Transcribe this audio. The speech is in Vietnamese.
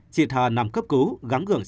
chị thở nằm cấp cứu